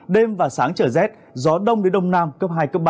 đêm và sáng trở rét gió đông đến đông nam cấp hai cấp ba